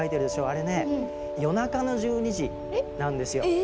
あれね夜中の１２時なんですよ。え？